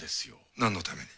なんのために？